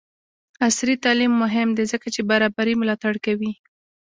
عصري تعلیم مهم دی ځکه چې برابري ملاتړ کوي.